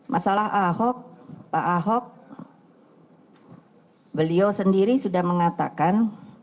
masalah ahok pak ahok beliau sendiri sudah mengatakan